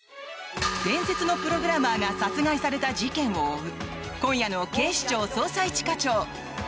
伝説のプログラマーが殺害された事件を追う今夜の「警視庁・捜査一課長」。